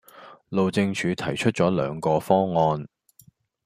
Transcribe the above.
路政署提出咗兩個方案